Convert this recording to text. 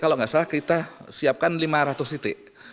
kalau nggak salah kita siapkan lima ratus titik